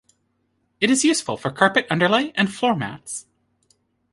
It is useful for carpet underlay and floor mats.